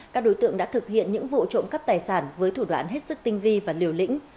các đối tượng đã thực hiện những vụ trộm cắp tài sản với thủ đoạn hết sức tinh vi và liều lĩnh